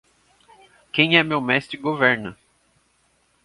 Quem é meu mestre, governa